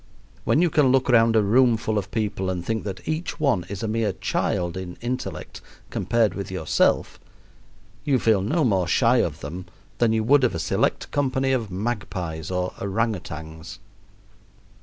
When you can look round a roomful of people and think that each one is a mere child in intellect compared with yourself you feel no more shy of them than you would of a select company of magpies or orang outangs.